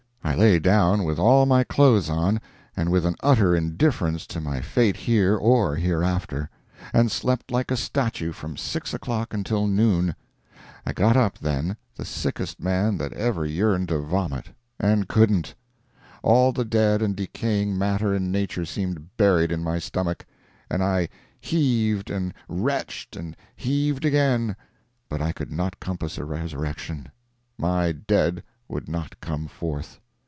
I lay down with all my clothes on, and with an utter indifference to my fate here or hereafter, and slept like a statue from six o'clock until noon. I got up, then, the sickest man that ever yearned to vomit and couldn't. All the dead and decaying matter in nature seemed buried in my stomach, and I "heaved, and retched, and heaved again," but I could not compass a resurrection—my dead would not come forth.